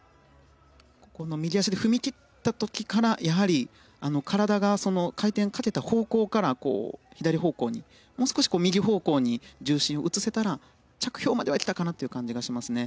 右足で踏み切った時から体が回転をかけた方向から左方向にもう少し右方向に重心を移せたら着氷までは行けたかなという感じがしますね。